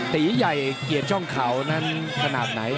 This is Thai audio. ตีใหญ่เกลียดช่องข่าวนั้นขนาดไหน